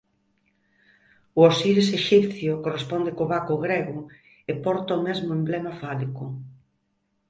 O Osiris exipcio corresponde co Baco grego e porta o mesmo emblema fálico.